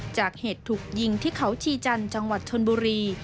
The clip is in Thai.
จากเหตุถูกยิงที่เขาชีจันทร์จังหวัดชนบุรี